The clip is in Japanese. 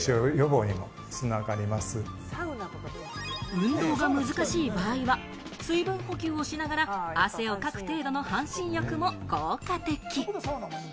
運動が難しい場合は、水分補給しながら汗をかく程度の半身浴も効果的。